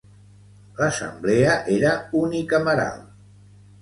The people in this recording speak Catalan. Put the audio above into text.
L'Assemblea era unicameral.